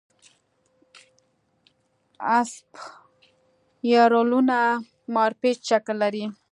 اسپایرلونه مارپیچ شکل لري.